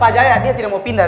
pak jaya dia tidak mau pindah